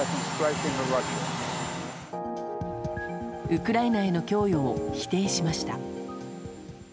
ウクライナへの供与を否定しました。